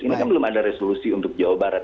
ini kan belum ada resolusi untuk jawa barat